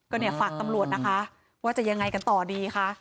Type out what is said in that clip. ก็เนี่ยฝากตำรวจนะคะว่าจะยังไงกันต่อดีคะ